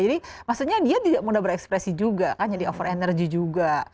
jadi maksudnya dia tidak mudah berekspresi juga kan jadi over energy juga